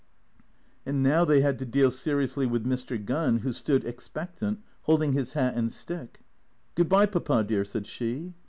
And now they had to deal seriously with Mr. Gunning, who stood expectant, holding his hat and stick. " Good bye, Papa dear," said she.